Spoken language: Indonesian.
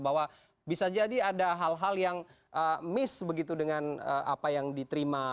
bahwa bisa jadi ada hal hal yang miss begitu dengan apa yang diterima